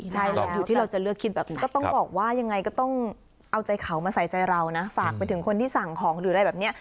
ใช่แหละอยู่ที่เราจะเลือกคิดแบบนี้ก็ต้องบอกว่ายังไงก็ต้องเอาใจเขามาใส่ใจเรานะฝากไปถึงคนที่สั่งของหรืออะไรแบบนี้